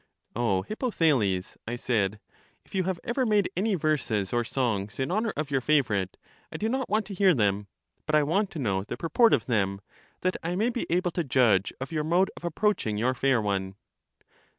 O Hippothales, I said, if you have ever made any verses or songs in honor of your favorite, I do not want to hear them; but I want to know the purport of them, that I may be able to judge of your mode of approaching your fair one.